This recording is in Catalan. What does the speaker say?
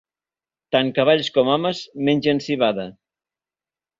Tan cavalls com homes mengen civada.